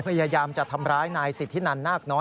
พยายามจะทำร้ายนายศิษย์ที่นั่นนากน้อย